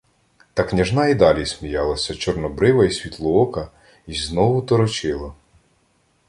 Та княжна й далі сміялася, чорнобрива й світлоока, й знову торочила: